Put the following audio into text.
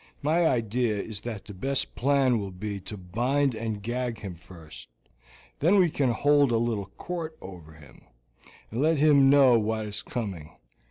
My idea is that the best plan will be to bind and gag him first, then we can hold a little court over him, and let him know what is coming.